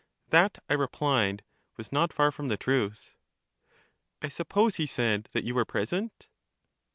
That, I replied, was not far from the truth. I suppose, he said, that you were present.